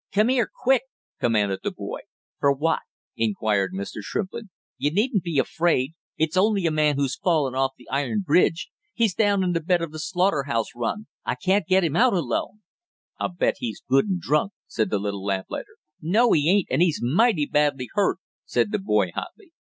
"Come here, quick!" commanded the boy. "For what?" inquired Mr. Shrimplin. "You needn't be afraid, it's only a man who's fallen off the iron bridge. He's down in the bed of the slaughter house run. I can't get him out alone!" "I'll bet he's good and drunk!" said the little lamplighter. "No, he ain't, and he's mighty badly hurt!" said the boy hotly.